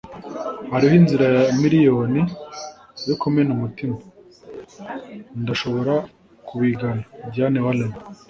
hariho inzira ya miriyoni yo kumena umutima. ndashobora kubigana. - diane warren